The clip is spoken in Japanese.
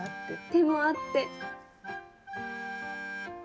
手もあって。